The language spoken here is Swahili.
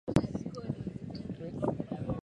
na sasa ameamuru kutosafirishwa nje ya nchi kwa bidhaa